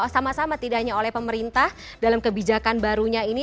sama sama tidak hanya oleh pemerintah dalam kebijakan barunya ini